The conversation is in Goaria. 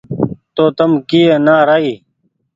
تو تم ڪيئي نآ رآئي